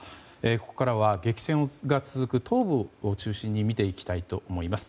ここからは激戦が続く東部を中心に見ていきたいと思います。